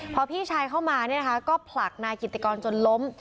พอพี่ชายเข้ามาก็ผลักนายกิติกรจนล้ม